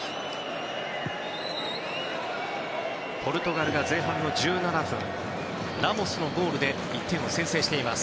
ポルトガルが前半の１７分ラモスのゴールで１点を先制しています。